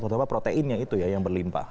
terutama proteinnya itu ya yang berlimpah